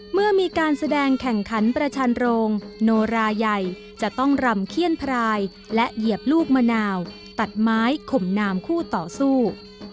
เมื่อมีการแสดงแข่งขันประชันโรงโนราใหญ่จะต้องรำเขี้ยนพรายและเหยียบลูกมะนาวตัดไม้ข่มนามคู่ต่อสู้